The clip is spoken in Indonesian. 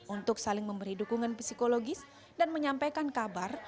untuk saling memberi dukungan psikologis dan menyampaikan kabar